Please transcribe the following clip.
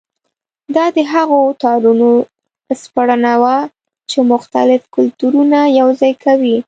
دا د هغو تارونو سپړنه وه چې مختلف کلتورونه یوځای کوي.